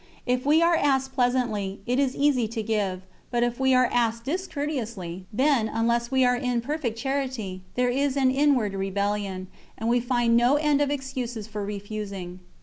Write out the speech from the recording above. If we are asked pleasantly, it is easy to give; but if we are asked discourteously, then, unless we are perfect in charity, there is an inward rebellion, and we find no end of excuses for refusing.